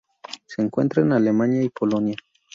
Se encuentra en Alemania y Polonia.